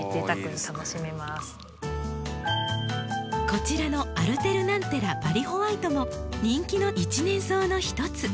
こちらのアルテルナンテラバリホワイトも人気の１年草の一つ。